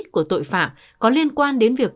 của tội phạm có liên quan đến việc